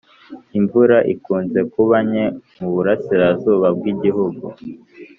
imvura ikunze kuba nke mu burasirazuba bw'igihugu